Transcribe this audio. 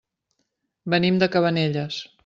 Venim de Cabanelles.